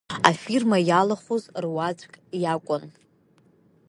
Афирма иалахәыз руаӡәк иакәын.